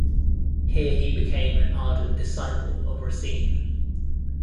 Here he became an ardent disciple of Racine.